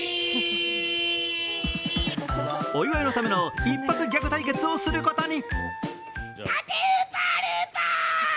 お祝いのための一発ギャグ対決をすることに。